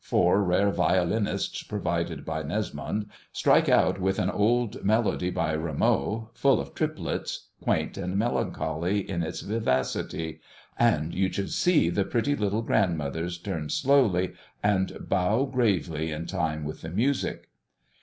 Four rare violinists provided by Nesmond strike out with an old melody by Rameau, full of triplets, quaint and melancholy in its vivacity; and you should see the pretty little grandmothers turn slowly and bow gravely in time with the music.